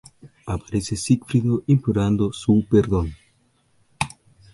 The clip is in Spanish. Aparece Sigfrido implorando su perdón.